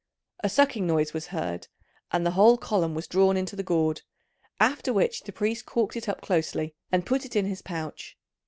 A sucking noise was heard, and the whole column was drawn into the gourd; after which the priest corked it up closely and put it in his pouch.